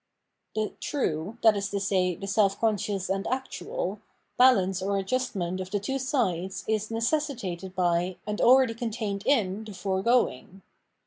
The true, that is to say the self conscious and actual, balance or adjustment of the two sides is necessitated by, and already contained in the foregoing.